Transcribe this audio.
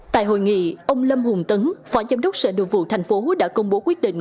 tại hội nghị ông lâm hùng tấn phó giám đốc sở đội vụ thành phố đã công bố quyết định